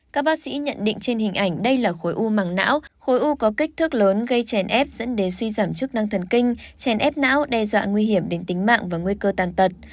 các bác sĩ nhận định trên hình ảnh đây là khối u màng não khối u có kích thước lớn gây chèn ép dẫn đến suy giảm chức năng thần kinh chèn ép não đe dọa nguy hiểm đến tính mạng và nguy cơ tàn tật